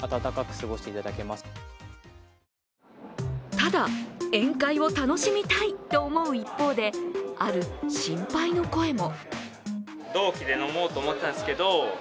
ただ宴会を楽しみたいと思う一方で、ある心配の声も。